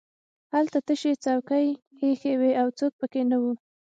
هلته تشې څوکۍ ایښې وې او څوک پکې نه وو